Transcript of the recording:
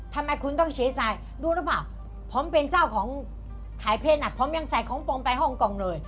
ทำไมคุณต้องเสียใจดูหรือเปล่าผมเป็นเจ้าของขายเพศน่ะผมยังใส่ของปลอมไปฮ่องกงเลย